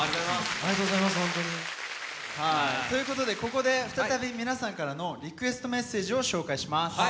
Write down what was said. ありがとうございます本当に。ということでここで再び皆さんからのリクエストメッセージを紹介します。